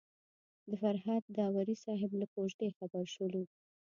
د فرهاد داوري صاحب له کوژدې خبر شولو.